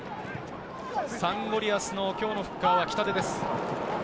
サンゴリアスの今日のフッカーは北出です。